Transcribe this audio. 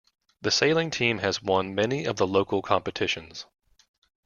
The sailing team has won many of the local competitions.